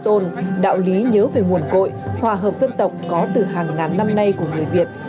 tôn đạo lý nhớ về nguồn cội hòa hợp dân tộc có từ hàng ngàn năm nay của người việt